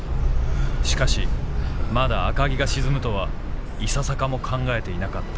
しかしまだ赤城が沈むとはいささかも考えていなかった。